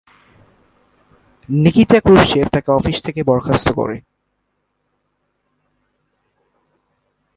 Nikita Khrushchev তাকে office থেকে বরখাস্ত করে।